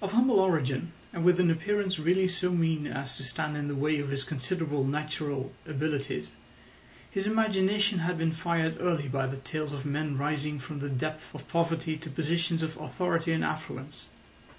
Of humble origin, and with an appearance really so mean as to stand in the way of his considerable natural abilities, his imagination had been fired early by the tales of men rising from the depths of poverty to positions of authority and affluence.